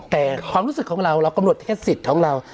แต่ความรู้สึกของเราเรากำหนดแค่สิทธิ์ของเรา